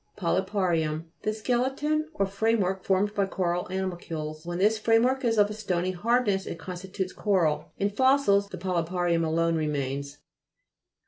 POLYPA'RIUM The skeleton or frame work formed by coral animalcules. When this frame work is of a stony hardness it constitutes coral. In fossils the polyparium alone re mains.